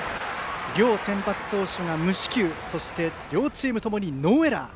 両先発投手が無四球そして両チームともにノーエラー。